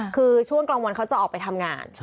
คือช่วงกลางวันเขาจะออกไปทำงาน